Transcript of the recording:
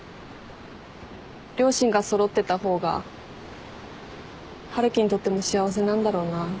両親が揃ってた方が春樹にとっても幸せなんだろうな。